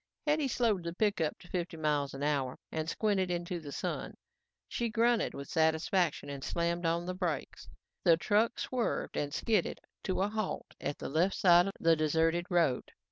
Hetty slowed the pickup to fifty miles an hour and squinted into the sun. She grunted with satisfaction and slammed on the brakes. The truck swerved and skidded to a halt at the left side of the deserted road.